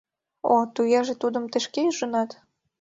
— О, тугеже тудым тый шке ӱжынат?